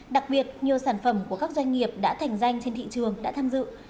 đặc biệt nhiều sản phẩm của các doanh nghiệp đã thành danh trên thị trường đã tham dự